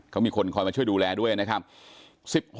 เขามีคนคอยมาช่วยดูแลด้วยนะครับ